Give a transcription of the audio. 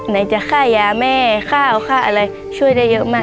ไหนจะค่ายาแม่ข้าวค่าอะไรช่วยได้เยอะมาก